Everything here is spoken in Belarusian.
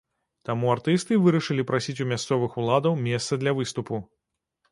Таму артысты вырашылі прасіць у мясцовых уладаў месца для выступу.